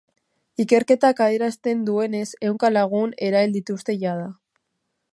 Ikerketak adierazten duenez, ehunka lagun erail dituzte jada.